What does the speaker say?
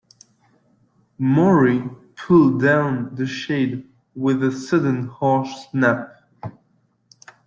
Maury pulled down the shade with a sudden harsh snap.